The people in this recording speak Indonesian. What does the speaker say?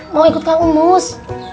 mau ikut kang umus